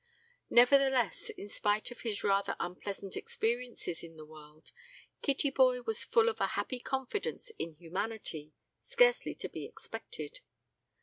Nevertheless, in spite of his rather unpleasant experiences in the world, Kittyboy was full of a happy confidence in humanity scarcely to be expected.